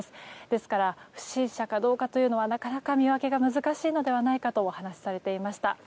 ですから、不審者かどうかなかなか見分けは難しいのではとお話しされていました。